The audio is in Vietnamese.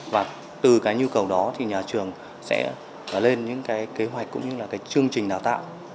và từ cái nhu cầu đó thì nhà trường sẽ lên những cái kế hoạch cũng như là cái chương trình đào tạo